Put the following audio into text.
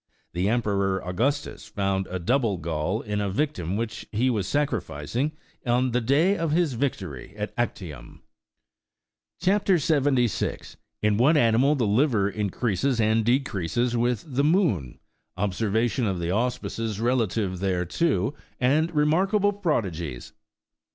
The Emperor Augustus found a double gall in a victim which he was sacrificing on the day of his victory at Actium. 70 PLINY'S NATURAL HISTORY. [Book XL CHAP. 76. IN WHAT ANIMALS THE LIVER INCREASES AND DE CREASES "WITH THE MOON. OBSERVATIONS OP THE ARHSP1CES RELATIVE THERETO, AND REMARKABLE PRODIGIES.